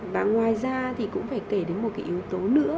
và ngoài ra cũng phải kể đến một yếu tố nữa